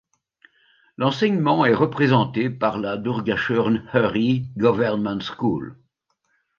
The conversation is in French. L'enseignement est représenté par la Doorgachurn Hurry Government School.